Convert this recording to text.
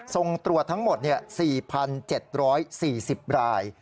ส่งตรวจทั้งหมด๔๗๔๐ราย